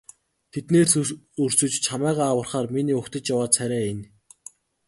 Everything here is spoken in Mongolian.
Тэднээс өрсөж чамайгаа аврахаар миний угтаж яваа царай энэ.